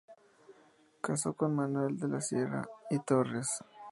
Casó con Manuel de la Sierra y Torres.